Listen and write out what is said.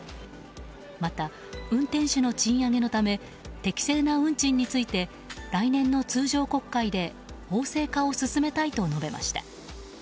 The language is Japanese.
また運転手の賃上げのため適正な運賃について来年の通常国会で法制化を進めたいと述べました。